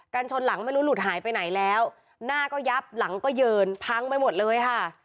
ชนหลังไม่รู้หลุดหายไปไหนแล้วหน้าก็ยับหลังก็เยินพังไปหมดเลยค่ะ